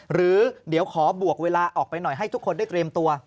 หรือเดี๋ยวขอบวกเวลาออกไปหน่อยให้ทุกคนได้เตรียมตัว